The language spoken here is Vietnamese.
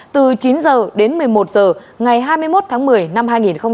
từ chín h đến một mươi một h ngày hai mươi một tháng một mươi năm hai nghìn một mươi chín